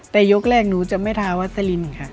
แต่ยกแรกหนูจะไม่ทาวัสลินค่ะ